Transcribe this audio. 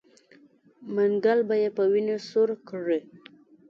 منګل به یې په وینو سور کړي.